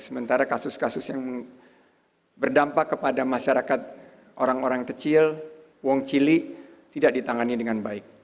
sementara kasus kasus yang berdampak kepada masyarakat orang orang kecil uang cili tidak ditangani dengan baik